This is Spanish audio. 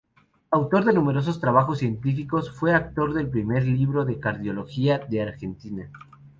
Autor de numerosos trabajos científicos, fue autor del primer libro de Cardiología de Argentina.